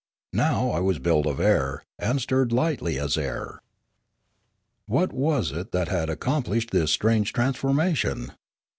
Now I was built of air, and stirred lightly as air. What was it that had accomplished this strange transformation